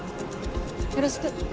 よろしく。